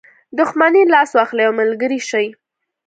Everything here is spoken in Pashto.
دښمني لاس واخلي او ملګری شي.